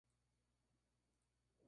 Bayas blancas o verdes.